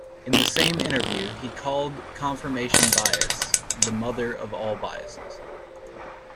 In the same interview he called confirmation bias the mother of all biases.